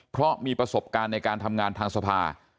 เพราะมีประสบการณ์ในการทำงานทางสภา